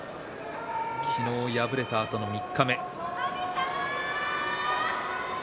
昨日、敗れたあとの三日目。